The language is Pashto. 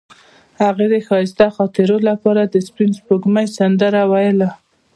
هغې د ښایسته خاطرو لپاره د سپین سپوږمۍ سندره ویله.